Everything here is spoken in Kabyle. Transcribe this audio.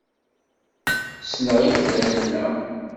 Ssneɣ imdanen-a.